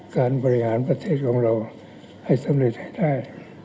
การบริหารประเทศของเราให้สำเร็จให้ได้